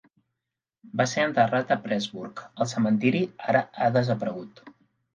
Va ser enterrat a Pressburg; el cementiri ara ha desaparegut.